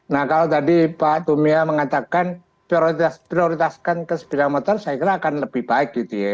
nah kalau tadi pak tumia mengatakan prioritaskan ke sepeda motor saya kira akan lebih baik gitu ya